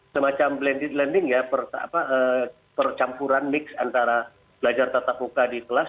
semacam blending ya percampuran mix antara belajar tetap buka di kelas